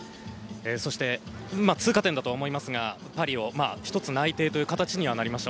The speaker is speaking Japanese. そして、通過点だと思いますがパリを１つ内定という形になりました。